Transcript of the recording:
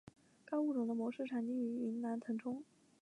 该物种的模式产地在云南腾冲。